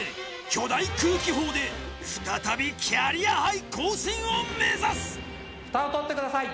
巨大空気砲で再びキャリアハイ更新を目指すふたを取ってください。